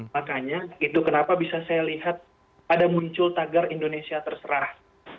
makanya itu kenapa bisa saya lihat ada muncul tagar indonesia terserah